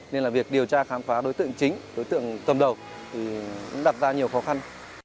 nên là việc điều tra khám phá đối tượng chính đối tượng cầm đầu thì cũng đặt ra nhiều khó khăn